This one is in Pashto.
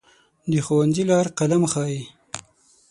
د ښوونځي لار قلم ښووي.